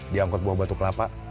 di angkot buah batu kelapa